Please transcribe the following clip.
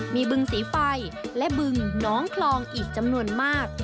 มีบึงสีไฟและบึงน้องคลองอีกจำนวนมาก